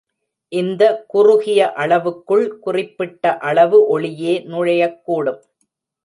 இந்த குறுகிய அளவுக்குள் குறிப்பிட்ட அளவு ஒளியே நுழையக் கூடும்.